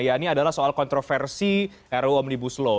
ya ini adalah soal kontroversi ruu omnibus law